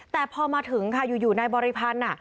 แต่พอมาถึงค่ะอยู่นายบริพันธ์